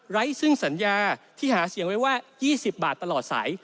ซึ่งสัญญาที่หาเสียงไว้ว่า๒๐บาทตลอดสาย